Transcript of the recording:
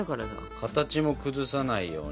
形も崩さないように。